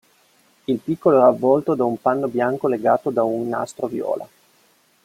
Il piccolo era avvolto da un panno bianco legato da un nastro viola.